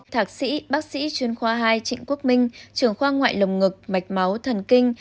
thạc sĩ bác sĩ chuyên khoa hai trịnh quốc minh trường khoa ngoại lồng ngực mạch máu thần kinh